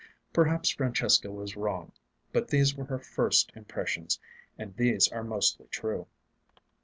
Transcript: Perhaps Francesca was wrong; but these were her first impressions, and these are mostly true.